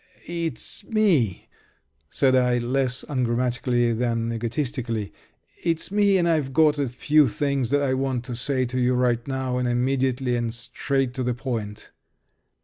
"It's me," said I, less ungrammatically than egotistically. "It's me, and I've got a few things that I want to say to you right now and immediately and straight to the point."